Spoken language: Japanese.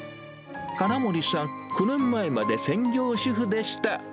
金森さん、９年前まで専業主婦でした。